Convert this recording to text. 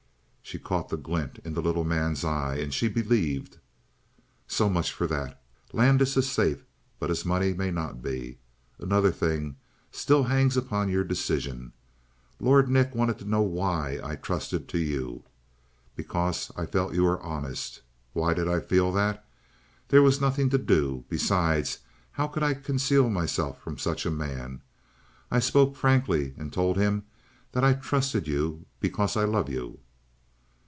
She caught the glint in the little man's eye and she believed. "So much for that. Landis is safe, but his money may not be. Another thing still hangs upon your decision. Lord Nick wanted to know why I trusted to you? Because I felt you were honest. Why did I feel that? There was nothing to do. Besides, how could I conceal myself from such a man? I spoke frankly and told him that I trusted you because I love you."